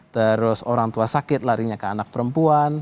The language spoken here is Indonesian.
terus orang tua sakit larinya ke anak perempuan